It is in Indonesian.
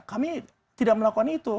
kami tidak melakukan itu